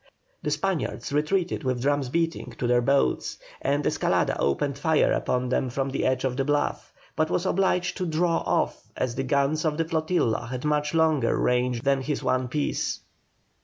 The Spaniards retreated with drums beating to their boats, and Escalada opened fire upon them from the edge of the bluff, but was obliged to draw off as the guns of the flotilla had much longer range than his one piece.